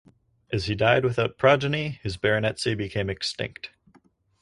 As he died without progeny his baronetcy became extinct.